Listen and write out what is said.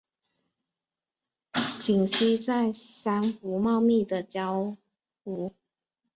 栖息在珊瑚茂密的礁湖。